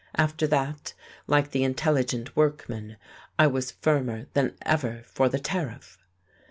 After that, like the intelligent workman, I was firmer than ever for the Tariff.